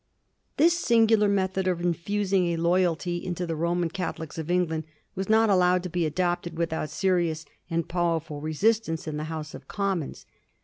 This singular method of infusing loyalty into the Roman Catholics of England was not allowed to be adopted without serious and powerful resistance in the House of Commons.